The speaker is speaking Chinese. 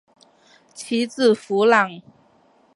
其子苻朗。